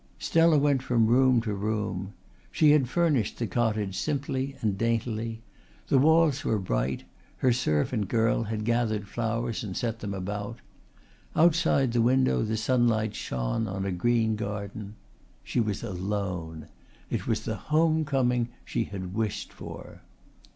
Stella went from room to room. She had furnished the cottage simply and daintily; the walls were bright, her servant girl had gathered flowers and set them about. Outside the window the sunlight shone on a green garden. She was alone. It was the home coming she had wished for.